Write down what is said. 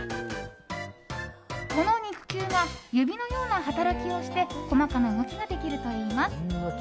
この肉球が指のような働きをして細かな動きができるといいます。